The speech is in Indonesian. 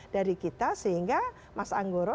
dari kita sehingga mas anggoro